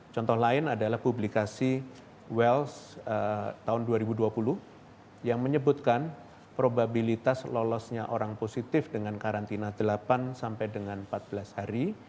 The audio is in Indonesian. contoh lain adalah publikasi wells tahun dua ribu dua puluh yang menyebutkan probabilitas lolosnya orang positif dengan karantina delapan sampai dengan empat belas hari